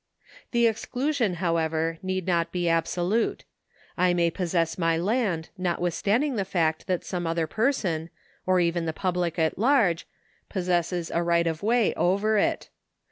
The exclusion, however, need not be absolute. I may possess my land notwithstanding the fact that some other person, or even the public at large, possesses a right of way over it.